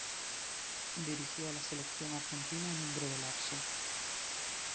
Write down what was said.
Dirigió a la selección argentina en un breve lapso.